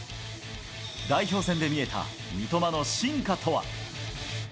代表戦で見えた三笘の進化とは。